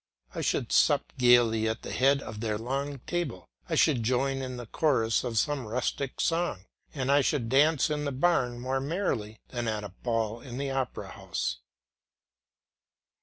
I should sup gaily at the head of their long table; I should join in the chorus of some rustic song and I should dance in the barn more merrily than at a ball in the Opera House.